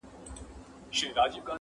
جانان ته تر منزله رسېدل خو تکل غواړي!.